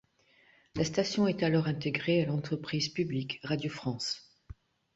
La station est alors intégrée à l'entreprise publique Radio France.